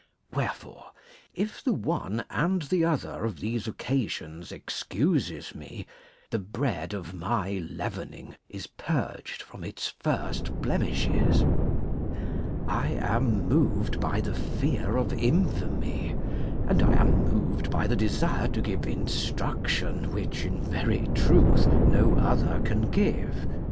Wherefore, if the one and the other of these occasions excuses me, the bread of my leavening is purged from its first blemishes. I am moved by the fear of infamy, and T am moved by the desire to give instruction which in very truth no If*?'. other can give.